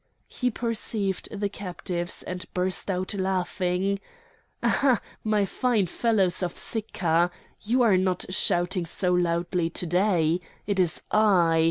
He perceived the captives and burst out laughing: "Ah! ha! my fine fellows of Sicca! You are not shouting so loudly to day! It is I!